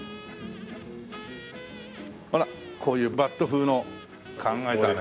ほらこういうバット風の考えたね。